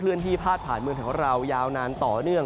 ขลื่นที่ผ่าผ่านเมืองแถวของเรายาวนานต่อเนื่อง